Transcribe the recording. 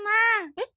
えっ？